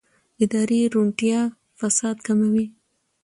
اداري روڼتیا فساد کموي